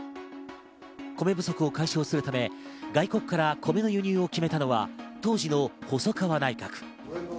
米不足を解消するため外国から米の輸入を決めたのは当時の細川内閣。